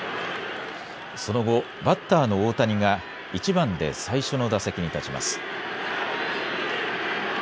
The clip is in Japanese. その後、バッターの大谷が１番で最初の打席に立ちます。